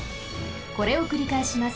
これをくりかえします。